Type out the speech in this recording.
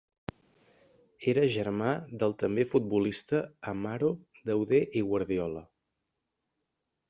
Era germà del també futbolista Amaro Dauder i Guardiola.